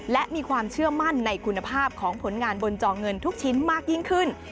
และมีความเชื่อมั่นในคุณภาพของผลงานบนจอเงินทุกชิ้นมากยิ่งขึ้น